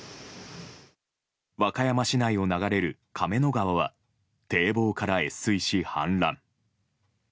和歌山市内を流れる亀の川は堤防から越水し氾濫。